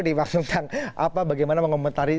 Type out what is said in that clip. tentang bagaimana mengomentari